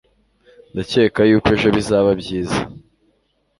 ndakeka yuko ejo bizaba byiza